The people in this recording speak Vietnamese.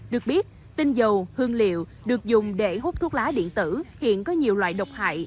được biết tinh dầu hương liệu được dùng để hút thuốc lá điện tử hiện có nhiều loại độc hại